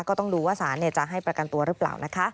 ก็ต้องดูว่าสารจะให้ประกันตัวหรือเปล่านะคะ